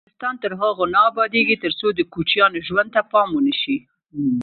افغانستان تر هغو نه ابادیږي، ترڅو د کوچیانو ژوند ته پام ونشي.